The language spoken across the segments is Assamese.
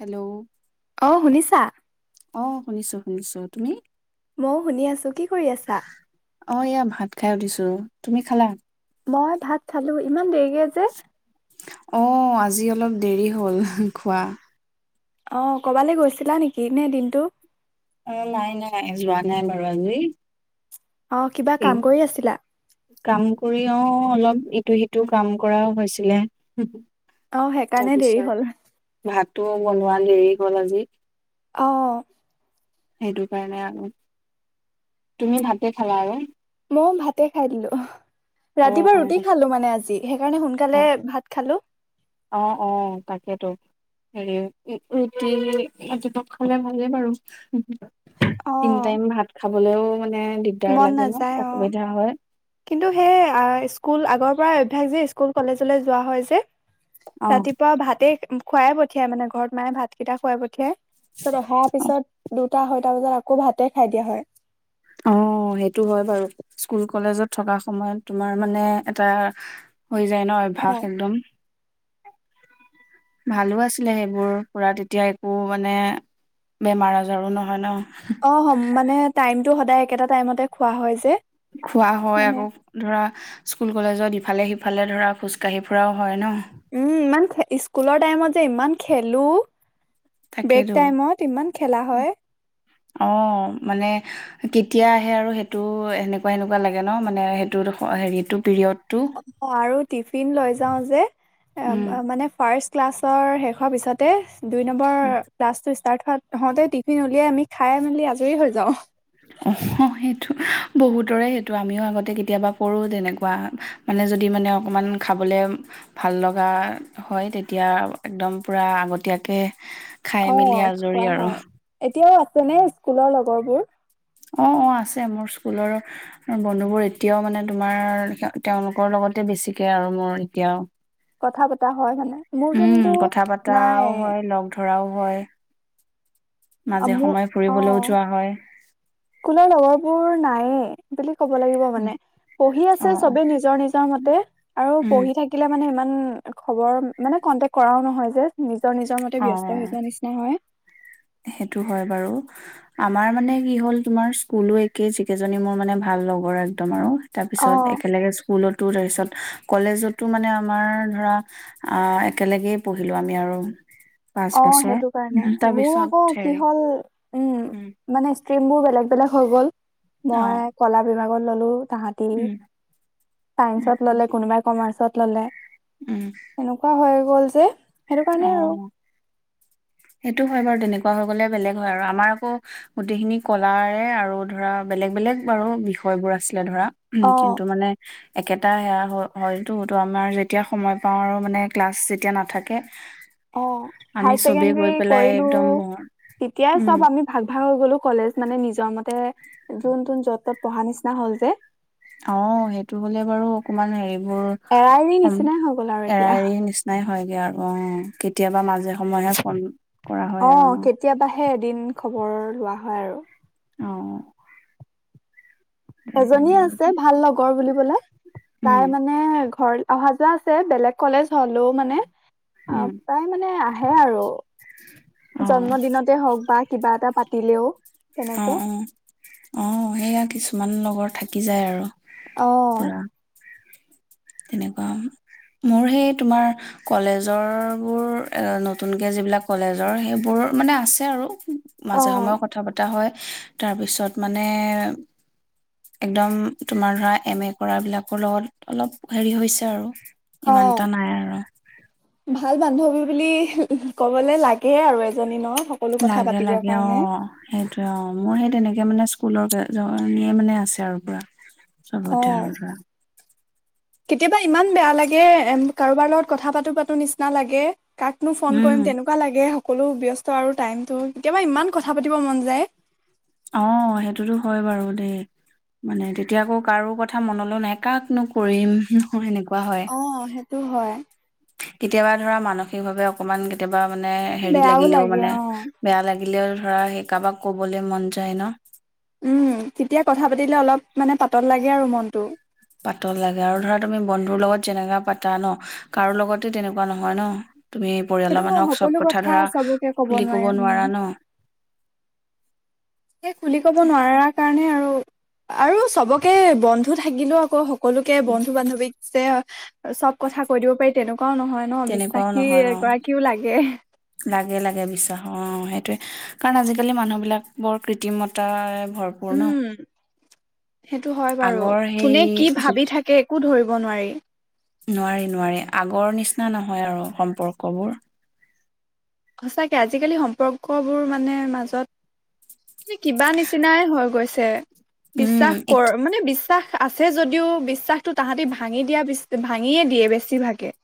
হেল্ল' অ শুনিছা। অঁ শুনিছোঁ শুনিছোঁ তুমি। ময়ও শুনি আছো কি কৰি আছা। অ এয়া ভাত খাই উথিছো তুমি খালা। মই ভাত খালো ইমান দেৰি। কে যে অ আজি অলপ দেৰি হ'ল খোৱা। অ কবালৈ গৈছিলা নেকি নে দিনটো। অ নাই নাই যোৱা নাই বাৰু আজি। অ কিবা কাম কৰি আছিলা। কৰিও অলপ ইটো সিটো কাম কৰাও হৈছিলে। আহ সেইকাৰণেই দেৰি হ'ল। বনোৱালি এইৰি গ'ল আজি। অঁ। সেইটো কাৰণে আৰু তুমি ভাতে খালা আৰু অঁ ভাতে খাই দিলো। অ ৰাতিপুৱা অ ৰুটি খালো মানে আজি সেইকাৰণে অ সোনকালে ভাত খালো। অ অ তাকেইতো হেৰি ৰুটি ৰাতিপুৱা খালে ভালেই বাৰু অ তিন টাইম ভাত খাবলেও মানে। দিগদাৰ মন লাগে ন নাযায় অ। অসুবিধা হয়। কিন্তু সেই স্কুল আগৰ পৰাই অভ্যাস যে স্কুল কলেজলৈ যোৱা হয় যে। অ ৰাতিপুৱা ভাতে খুৱাই পঠিয়াই মানে ঘৰত মানে ভাতকেইটা খুৱাই পঠিয়াই। পিছত অহাৰ পিছত দু দুটা আঢ়ৈটা বজাত আকৌ ভাতে খাই দিয়া হয়। অ সেইটো হয় বাৰু স্কুল কলেজত থকা সময়ত তোমাৰ মানে এটা। হৈ যায় ন অভ্যাস অ একদম। ভালো আছিলে সেইবোৰ পুৰা তেতিয়া একো মানে বেমাৰ আজাৰো নহয় ন। অ মানে টাইম। টো সদায় একেটা টাইমতে খোৱা হয় যে। খোৱা হয় মানে আকৌ ধৰা স্কুল কলেজত। ইফালে সিফালে ধৰা খোজকাঢ়ি ফুৰাও হয় ন। উম ইমান স্কুলৰ টাইমত যে ইমান খেলো। ব্ৰেক তাকেতো টাইমত ইমান খেলা হয় অ মানে কেতিয়া আহে আৰু সেইটো এনেকুৱা এনেকুৱা লাগে ন মানে সেইটো হেৰিটো পিৰিয়ড আৰু টিফিন লৈ যাও যে উম মানে ফাচ‌্ ক্লাছৰ শেষৰ পিছতে দুই নম্বৰ ক্লাছ টো। তাইম ভাগ নহওঁতে টিফিন উলিয়াই আমি খাই মেলি আজৰি হৈ যাওঁ। অ সেইটো বহুতৰে সেইটো আমিও আগতে কেতিয়াবা কৰো । তেনেকুৱা মানে যদি মানে অকমান খাবলে ভাল লগা হয় তেতিয়া একদম পুৰা আগতীয়াকে। খাই অ মেলি আজৰি খোৱা আৰু হয় এতিয়াও যেনে স্কুলৰ লগৰবোৰ অ অ আছে মোৰ স্কুলৰ বন্ধুবোৰ এতিয়াও মানে তোমাৰ তেওঁলোকৰ লগতে বেছিকে আৰু মোৰ এতিয়াও কথা পতা হয় মানে মোৰ উম কিন্তু কথা নাই পতাও হয় লগ ধৰাও হয় অ মাজে মোৰ সময়ে অ ফুৰিবলৈও যোৱা হয় স্কুলৰ লগৰবোৰ নাই। হে দিলিকে ব লাগিব উম, মানে পঢ়ি অ আছে অ চবে নিজৰ নিজৰ মতে আৰু উম পঢ়ি থাকিলে মানে ইমান উম খবৰ মানে কন্টেক কৰাও নহয় যে নিজৰ নিজৰ মতে ব্যস্ত হৈ অ যোৱা নিচিনা হয়। সেইটো হয় বাৰু আমাৰ মানে কি হ'ল তোমাৰ স্কুলো একেই যিকেইজনী মোৰ মানে ভাল লগৰ একদম আৰু তাৰপিছত অ', একেলগে স্কুলতো তাৰিছ পিছত কলেজতো মানে আমাৰ ধৰা অ একেলগেই পঢ়িলো আমি আৰু পাঁচ অ বছৰ। সেইটো কাৰণে মোৰ তাৰপিছত আকৌ কি হেৰি হ'ল উম মানে ক্ৰ্ৰীমব বেগ বেলেগ হৈ গ'ল অ মই কলা বিমাগ বন ল'লোঁ তাহতি উম চাইন্সত ললে কোনোবাই কমাৰ্চত ল'লে উম এনেকুৱা হয় ক'ল যে সেইটো উম কাৰণেই আৰু অ সেইটো হয় বাৰু তেনেকুৱা হৈ গলে বেলেগ হয় আৰু আমাৰ আকৌ গোটেইখিনি কলাৰে আৰু ধৰা বেলেগ বেলেগ বাৰু বিষয়বোৰ আছিলে ধৰা। উ অ', কিন্তু মানে একেটা সেয়া হয়তো তো আমাৰ যেতিয়া সময় পাওঁ আৰু মানে ক্লাছ যেতিয়া নাথাকে অ আমি হাই চবেই গৈ ছেকেণ্ডাৰী পেলাই কৰিলো একদম বৰ তেতিয়াই উম চব আমি ভাগ ভাগ হৈ গলো কলেজ মানে নিজৰ মতে যোন যোন য'ত তত পঢ়া নিচিনা হ'ল যে অ সেইটো হ'লে বাৰু অকমান হেৰি বোৰ এৰাৰি নিচিনাই হৈ গ'ল আৰু এৰা এতিয়া এৰি নিচিনাই হয়গে আৰু অ কেতিয়াবা মাজে সময়েহে ফোন কৰা হয় অ আৰু ন কেতিয়াবাহে এদিন খবৰ লোৱা হয় হয় আৰু অ এজনী ভালেই আৰু আছে ভাল লগৰ বুলিবলে উম তাই মানে ঘৰ অহা যোৱা আছে বেলেগ কলেজ হ'লেও মানে অ উম প্ৰায় মানে আহে আৰু অ জন্মদিনতে হওক বা কিবা এটা পাতিলেও অ তেনেকে অ অ সেইয়া কিছুমান লগত থাকি যায় আৰু আহ পুৰা তেনেকুৱা মোৰ সেই তোমাৰ কলেজৰ বোৰ এ নতুনকে যিবিলাক কলেজৰ সেইবোৰ মানে আছে আৰু মাজে অ' সময়েও কথা পতা হয় উমহ তাৰপিছত মানে একদম তোমাৰ ধৰা এম এ কৰা বিলাকৰ লগত অলপ হেৰি হৈছে আৰু অ ইমান এটা নাই আৰু ভাল বান্ধৱীৰ বুলি উমহ ক'বলে লাগে আৰু এজনী ন সকলো কথা লাগে পাতিবৰ লাগে অ কাৰণে সেইটোয়ে অ মই সে তেনেকে মানে স্কুলৰ জনীয়ে মানে আছে আৰু পোৰা চবতে অ' আৰু ধৰা কেতিয়াবা ইমান বেয়া লাগে কাৰোবাৰ লগত কথা পাতো পাতো নিচিনা লাগে কাকনো ফোন উম কৰিম তেনেকুৱা লাগে স কলো ব্যস্ত আৰু টাইমতটো কেতিয়াবা ইমান কথা পাতিব মন যায় অ সেইটোতো হয় বাৰু দেই মানে তেতিয়া আকৌ কাৰো কথা মনলৈ নাই কাকনো কৰিম সেনেকুৱা হয়। অ সেইটো হয় কেতিয়াবা ধৰা মানসিকভাৱে অকমান কেতিয়াবা মানে হেৰি বেয়াও লাগিলেও লাগে মানে অ বেয়া লাগিল লাগিলেও ধৰা সেই কাৰোবাক ক'বলৈ মন যায় ন উম তেতিয়া কথা পাতিলে অলপ মানে পাতল লাগে আৰু মনটো পাতল লাগে আৰু ধৰা তুমি বন্ধুৰ লগত যেনেকা পাতা ন কাৰো লগতে তেনেকুৱা নহয় ন তুমি সেইটো পৰিয়ালৰ মানুহক চব সকলো কথা ধৰা চবকে খুলি নোৱাৰে কব উম নোৱাৰা ন? সেই খুলি ক'ব নোৱাৰাৰ কাৰণে আৰু অ আৰু চবকে বন্ধ থাকিলেও আক সকলোকে বন্ধু বান্ধৱীক যে চব কথা কৈ দিব পাৰি তেনেকুৱা তেনেকুৱাও নহয় ন তেনেকুৱাও বিশ্বাসী নহয় অ এগৰাকীও লাগে লাগে লাগে বিশ্বাস অ সেইটোৱে কাৰণ আজিকালি মানুহবিলাক বৰ কৃত্ৰিমতা উম সেইটো হয় বাৰু আগৰ সেই কোনে কি ভাবি থাকে একো ধৰিব নোৱাৰি নোৱাৰি নোৱাৰি আগৰ নিচিনা নহয় আৰু সম্পৰ্কবোৰ সচাকে আজিকালি সম্পৰ্ক বোৰ মানে মাজত কিবা নিচিনাই হৈ গৈছে উম বিশ্বাস এত কৰ মানে বিশ্বাস আছে যদিও বিশ্বাসতটো তাহাঁতি ভাঙি দিয়া ভাঙিয়ে দিয়ে বেছিভাগে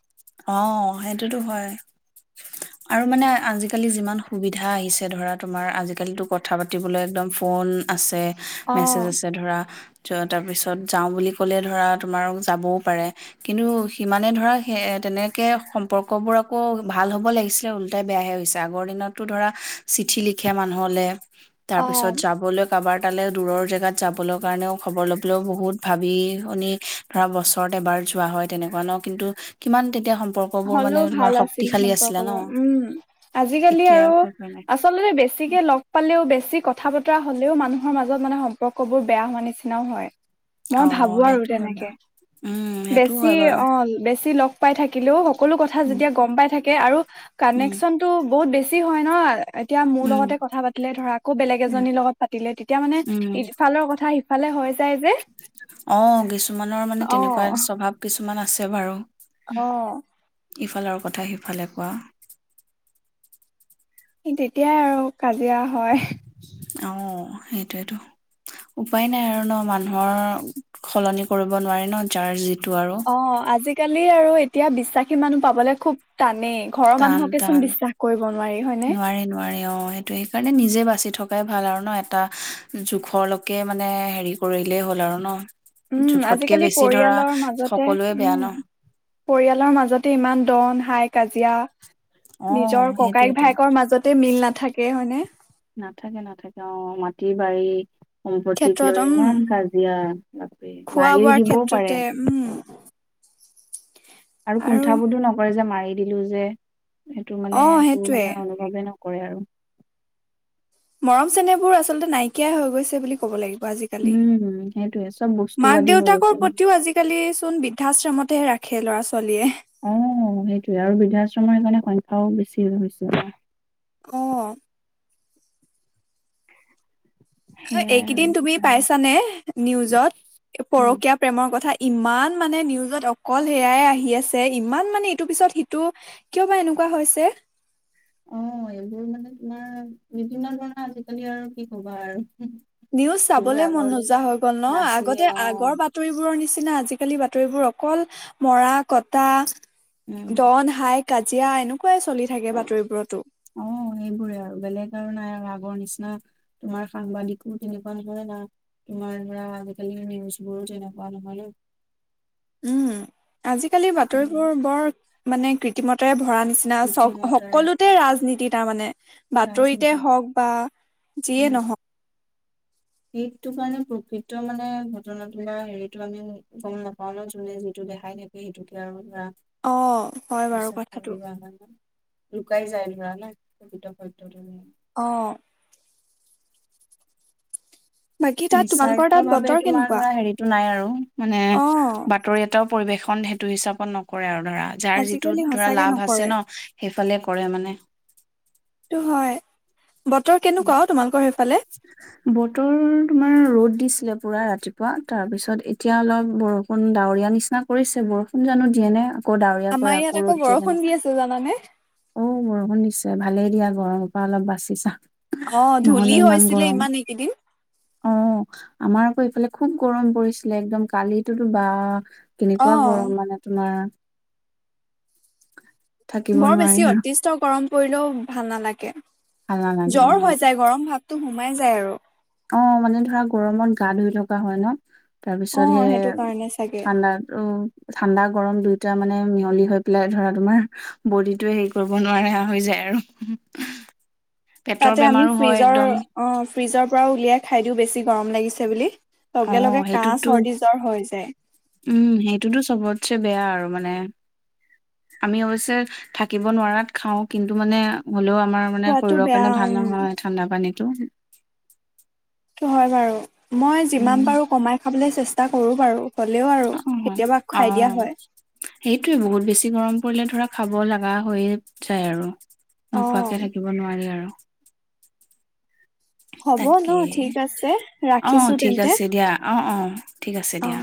অ সেইটোতো হয় আৰু মানে আজিকালি যিমান সুবিধা আহিছে ধৰা তোমাৰ আজিকালিটো কথা পাতিবলৈ একদম ফোন আছে অ মেছেজ আছে ধৰা য'ত তাৰপিছত যাওঁ বুলি ক'লে ধৰা তোমাৰ যাবও পাৰে কিন্তু সিমানে ধৰা হে তেনেকৈ সম্পৰ্কবোৰ আকৌ ভাল হ'ব লাগিছিলে ওল্টাই বেয়াহে হৈছে আগৰ দিনততো ধৰা চিঠি লিখে মানুহলে তাৰ অ পিছত যাবলৈ কাৰোবাৰ তালৈ দূৰৰ জেগাত যাবলৈ কাৰণেও খবৰ লবলেও বহুত ভাবি শুনি ধৰা বছৰত এবাৰ যোৱা হয় তেনেকুৱা ন কিন্তু কিমান তেতিয়া সম হ'লেও ভাল আছিল ন সম্পৰ্কবোৰ উমম্ আজিকালি এতিয়া আৰু আকৌ যোৱা নাই আচলতে বেছিকে লগ পালেও বেছি বেছি কথা বতৰা হ'লেও মানুহৰ মাজত মানে সম্পৰ্ক বোৰ বেয়া হোৱা নিচিনাও হয় মই অ ভাবো আৰু সেইটো হয় বাৰু তেনেকে উম সেইটোও বেছি হয় বাৰু অ বেছি লগ পাই থাকিলেও সকলো কথা উম যেতিয়া গম পাই থাকে থাকে আৰু উম কানেকশ্বনটো বহুত বেছি বেছি হয় ন এতিয়া মোৰ উম লগতে কথা পাতিলে ধৰা আকৌ বেলেগ উম এজনীৰ লগত পাতিলে তেতিয়া মানে উম ইফালৰ কথা ইফালে ভালে হয় অ কিছুমানৰ মানে তেনেকুৱা স্বভাৱ কিছু কিছুমান আছে বাৰু অহ! ! ইফালৰ কথা সিফালে কোৱা তেতিয়াই আৰু কাজিয়া হয়। অ সেইটোয়েটো উপায় নাই আৰু ন, মানুহৰ সলনি কৰিব নোৱাৰি ন যাৰ যিটো- আৰু অ' আজি আজিকালি আৰু এতিয়া বিশ্বাসী মানুহ পাবলে খুব টানেই। ঘৰৰ টান- মানুহকে চোন টান। বিশ্বাস কৰিব নোৱাৰি হয়নে নোৱাৰি নোৱাৰি ।অ' সেইটো সেইকাৰণে নিজে বাচি থকাই ভাল আৰু ন? এটা জোখৰলৈকে মানে হেৰি কৰিলে হ'ল আৰু ন? উম জোখতকে আজিকালি বেছি ধৰা পৰিয়ালৰ মাজতে সকলোৱে বেয়া উম ন পৰিয়ালৰ মাজতে ইমান দন হাই কাজিয়া অ নিজৰ ককায়েক সেইটোয়েটো। ভায়েকৰ মাজতে মিল নাথাকে হয়নে? নাথাকে -নাথাকে। অ' মাটি বাৰী সম্পত্তিক ক্ষেত্ৰত লৈ উম ইমান কাজিয়া বাপৰে খোৱা মাৰিও বোৱাৰ দিবও পাৰে ক্ষেত্ৰতে। উম আৰু কুণ্ঠাবোধো নকৰে যে মাৰি- দিলো যে। সেইটো অ মানে একো সেইটোয়ে মানে অনুভৱে নকৰে আৰু মৰম চেনেহবোৰ আচলতে নাইকিয়াই হৈ গৈছে বুলি ক'ব লাগিব আজিকালি। উম সেইটোয়ে চব মাক বস্তুবাদী হৈ গৈছে দেউতাকৰ ন প্ৰতিও আজিকালি চোন বি বৃদ্ধাশ্ৰমতহে ৰাখে ল'ৰা ছোৱালীয়ে। অ সেইটোৱে । আৰু বৃদ্ধাশ্ৰমৰ সেইকাৰণে সংখ্যাও বেছি হৈ গৈছে। অ সেইয়াই আৰু এইকেইদিন তুমি সেইকাৰণে পাইছানে নিউজত? উম পৰকীয়া প্ৰেমৰ কথা। ইমান মানে নিউজত অকল সেয়াই আহি আছে ইমান মানে ইটো পিছত সিটো কিয় বা এনেকুৱা হৈছে? অ এইবোৰ মানে তোমাৰ, বিভিন্ন ধৰণৰ আজিকালি আৰু কি কবা আৰু। নিউজ যিবোৰ চাবলে মন আগৰ দিনত নোযোৱা হৈ গ'ল ন? নাছিলে আগতে অ আগৰ বাতৰিবোৰৰ নিচিনা কি জানা আজিকালি বাতৰিবোৰ অকল, মৰা কটা উম ডন হাইক কাজিয়া, এনেকুৱাই চলি থাকে বাতৰিবোৰতো। অ সেইবোৰে আৰু বেলেগ আৰু নাই আৰু আগৰ নিচিনা তোমাৰ সাংবাদিকো, তেনেকুৱা নহয় না তোমাৰ ধৰা আজিকালি নিউজ বোৰো তেনেকুৱা নহয় ন? উম আজিকালি আ- বাতৰিবোৰ বৰ মানে কৃত্ৰিমতাৰে ধৰা নিচিনা বুদ্ধিমত্তাৰে সকলোতে ৰাজনীতি তাৰমানে, বাতৰিতে ৰাজনীতি হওক বা যিয়ে উম নহওক। সেইটো কাৰণে প্ৰকৃত মানে ঘটনা বা হেৰিটো আমি গ'ম নাপাও ন? যোনে যিটো দেখাই থাকে সেইটোকে আৰু ধৰা অ হয় বাৰু বিশ্বাস কৰি কথাটো। লোৱা হয় ন, লুকাই যাই [unintelligible] অহ বাকী তাত তোমালোকৰ নিস্বাৰ্থ তাত ভাৱে বতৰ তোমাৰ কেনেকুৱা ধৰা হেৰিটো নাই আৰু। মানে অ বাতৰি এটা পৰিৱেশন সেইটো হিচাপত নকৰে আৰু ধৰা যাৰ যিটো আজিকালি ধৰা সঁচাকে লাভ আছে নকৰে ন? সেইফালে কৰে মানে সেইটো হয় বতৰ কেনেকুৱা অ তোমালোকৰ সেইফালে বতৰ তোমাৰ ৰ'দ দিছে। পুৱা ৰাতিপুৱা, তাৰপিছত এতিয়া অলপ বৰষুণ ডাৱৰীয়া নিচিনা কৰিছে বৰষুণ জানো দিয়ে নে? আকৌ ডাৱৰীয়া কৰে আমাৰ ইয়াত আকৌ ৰ'দ দিয়ে বৰষুণ তেনেকা দি আছে জানানে? অ বৰষুণ দিছে। ভালেই দিয়া গৰমৰ পৰা অলপ বাছিছা। অ ধূলি নহলে ইমান হৈছিলে গৰম। এইকেইদিন। অ' আমাৰ এফালে খুব গৰম পৰিছিলে একদম - অ কেনেকুৱা গৰম মানে তোমাৰ থাকিব বৰ নোৱাৰি বেছি আৰু অতিষ্ঠ গৰম পৰিলেও ভাল নালাগে। ভাল নালাগে জ্বৰ অ', হৈ যায়, গৰম ভাগ সেইটো সোমাই যায় আৰু। অ মানে ধৰা গৰমত গা ধুই থকা হয় ন? তাৰ অ পিছত সেইটো কাৰণে চাগে। সে--ঠাণ্ডাত--অ ঠাণ্ডা গৰম দুই তাৰমানে মিহলি হৈ পেলাই ধৰা তোমাৰ বডিটো হেৰি কৰিব নোৱাৰা হৈ যায় আৰু। পেটৰ তাতে আমি বেমাৰো হয় ফ্ৰিজৰ একদম অ ফ্ৰিজত পৰা উলিয়াই খাই দিও বেছি গৰম লাগিছে বুলি অ লগে লগে কাহ সেইটোতো চৰ্দি জ্বৰ হৈ যায়। উম সেইটোতো চবতছে বেয়া আৰু আৰু মানে আমি অৱশ্যে থাকিব নোৱাৰাত খাওঁ কিন্তু মানে হ'লেও আমাৰ মানে খোৱাটো শৰীৰৰ বেয়া কাৰণে ভাল উম নহয় ঠাণ্ডা পানীত টো সেইটো হয় বাৰু মই যিমান পাৰো কমাই খাবলৈ চেষ্টা এটা কৰো বাৰু হ'লেও আৰু অ কেতিয়াবা অ খাই দিয়া হয়। সেইটোৱে বহুত বেছি গৰম পৰিলে ধৰা খাব লগা হৈয়ে যায় আৰু অ নোখোৱাকে থাকিব নোৱাৰি আৰু হ'ব তাকে। ন ঠিক আছে অ ৰাখিছো ঠিক তেন্তে। আছে দিয়া অহ অহ ঠিক আছে অ দিয়া।